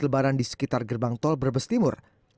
lebaran di sekitar gerbang tol berbestimur